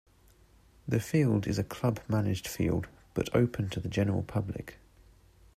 The field is a club managed field, but open to the general public.